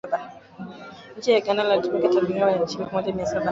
Nchi ya Uganda ilituma takribani wanajeshi elfu moja mia saba